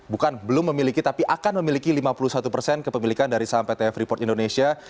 bukan belum memiliki tapi akan memiliki lima puluh satu persen kepemilikan dari saham pt freeport indonesia